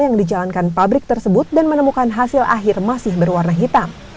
yang dijalankan pabrik tersebut dan menemukan hasil akhir masih berwarna hitam